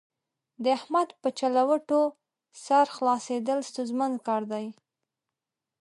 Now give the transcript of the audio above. د احمد په چلوټو سر خلاصېدل ستونزمن کار دی.